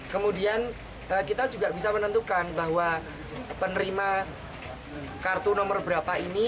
kemudian kita juga bisa menentukan bahwa penerima kartu nomor berapa ini